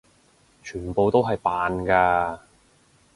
全部都係扮㗎！